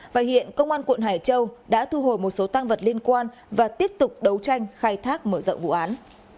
và hiện công an quận hải châu đã thu hồi một số tăng vật liên quan và tiếp tục đấu tranh khai thác mở rộng vụ án